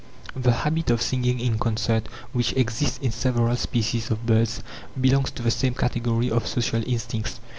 The habit of singing in concert, which exists in several species of birds, belongs to the same category of social instincts.